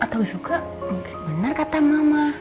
atau juga mungkin benar kata mama